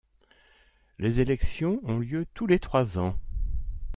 Les élections ont lieu tous les trois ans.